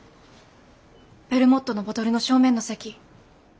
ベルモットのボトルの正面の席。